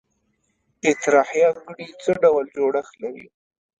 اطراحیه غړي څه ډول جوړښت لري؟